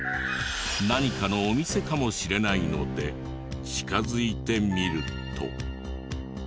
何かのお店かもしれないので近づいてみると。